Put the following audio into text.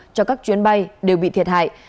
cho các chuyến bay đều bị thiệt hại